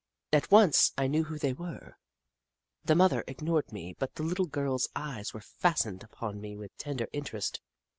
At once, I knew who they were. The mother ignored me, but the little girl's eyes were fastened upon me with tender interest.